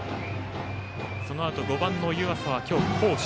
そのあと５番の湯浅は今日攻守。